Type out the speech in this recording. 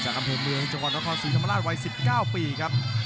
จากคำเทพเมืองจังหวัดละครสีธรรมดาวัย๑๙ปีครับ